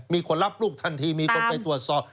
มีคนรับลูกทันทีมีคนไปตรวจสอบ